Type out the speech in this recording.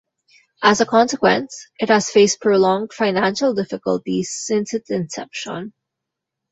As a consequence, it has faced prolonged financial difficulties since its inception.